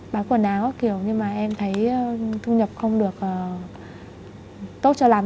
bán quần áo đó kiểu nhưng mà em thấy thương nhập không được tốt cho lắm